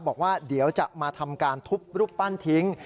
บอกว่าเดี๋ยวจะมาทำการทุบรูปปั้นทิ้ง